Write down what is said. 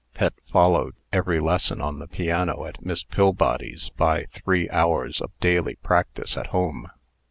Pet followed every lesson on the piano at Miss Pillbody's by three hours of daily practice at home.